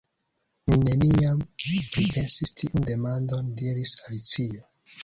"Mi neniam pripensis tiun demandon," diris Alicio.